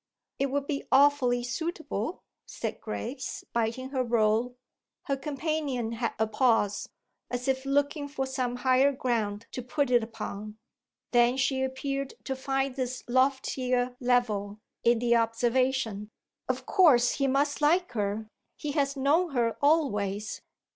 "It would be awfully suitable," said Grace, biting her roll. Her companion had a pause, as if looking for some higher ground to put it upon. Then she appeared to find this loftier level in the observation: "Of course he must like her he has known her always."